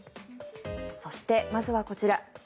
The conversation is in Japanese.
そしてまずはこちら。